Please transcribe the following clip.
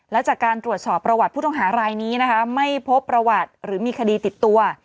และจากการตรวจสอบประวัติผู้ต้องหารายนี้นะคะไม่พบประวัติหรือมีคดีติดตัว